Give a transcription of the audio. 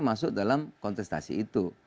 masuk dalam kontestasi itu